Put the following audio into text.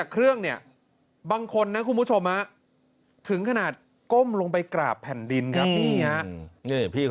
คุณผู้ชมถึงขนาดก้มลงไปกราบแผ่นดินครับ